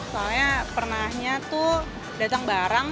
soalnya pernah nya tuh datang barang